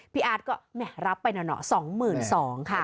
พี่อาร์ดก็รับไปหน่อย๒๒๐๐๐ค่ะ